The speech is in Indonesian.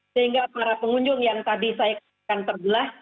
sehingga para pengunjung yang tadi saya katakan terbelah